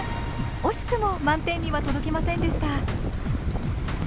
惜しくも満点には届きませんでした。